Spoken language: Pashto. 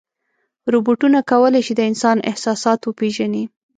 روبوټونه کولی شي د انسان احساسات وپېژني.